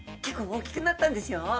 結構大きくなったんですよ。